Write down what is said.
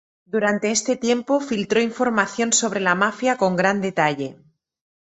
Durante este tiempo, filtró información sobre la mafia con gran detalle.